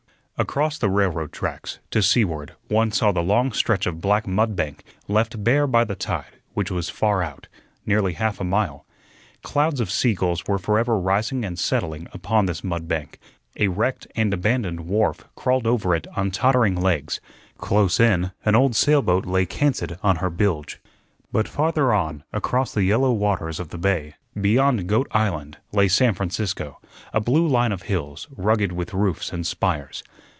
Across the railroad tracks, to seaward, one saw the long stretch of black mud bank left bare by the tide, which was far out, nearly half a mile. Clouds of sea gulls were forever rising and settling upon this mud bank; a wrecked and abandoned wharf crawled over it on tottering legs; close in an old sailboat lay canted on her bilge. But farther on, across the yellow waters of the bay, beyond Goat Island, lay San Francisco, a blue line of hills, rugged with roofs and spires.